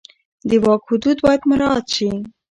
د واک حدود باید مراعت شي.